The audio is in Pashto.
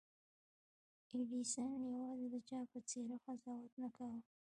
ايډېسن يوازې د چا په څېره قضاوت نه کاوه.